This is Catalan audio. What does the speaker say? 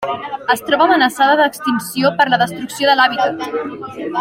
Es troba amenaçada d'extinció per la destrucció de l'hàbitat.